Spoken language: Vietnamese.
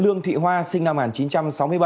lương thị hoa sinh năm một nghìn chín trăm sáu mươi bảy